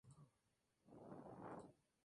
Es la mayor isla deshabitada de la tierra.